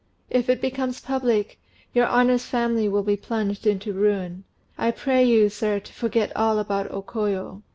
If it becomes public, your honour's family will be plunged in ruin. I pray you, sir, to forget all about O Koyo."